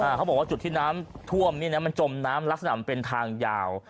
เขาบอกว่าจุดที่น้ำท่วมนี่นะมันจมน้ำลักษณะมันเป็นทางยาว